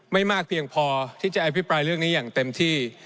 ไม่มากเพียงพอที่จะอภิปรายเรื่องนี้อย่างเต็มที่